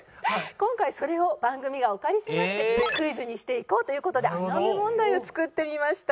今回それを番組がお借りしましてクイズにしていこうという事で穴埋め問題を作ってみました。